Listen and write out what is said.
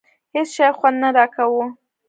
هېڅ شي خوند نه راکاوه.